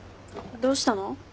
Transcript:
どうしたの？